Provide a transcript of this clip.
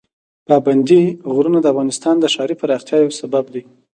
پابندي غرونه د افغانستان د ښاري پراختیا یو سبب دی.